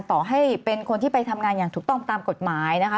ต่อให้เป็นคนที่ไปทำงานอย่างถูกต้องตามกฎหมายนะคะ